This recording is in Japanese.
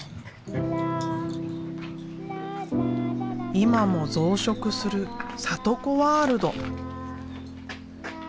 今も増殖するサト子ワールド。